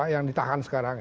yang ditahan sekarang